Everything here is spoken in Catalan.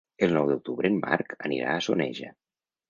El nou d'octubre en Marc anirà a Soneja.